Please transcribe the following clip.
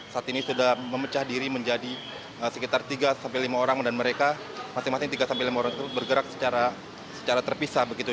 saat ini sudah memecah diri menjadi sekitar tiga lima orang dan mereka masing masing tiga sampai lima orang itu bergerak secara terpisah begitu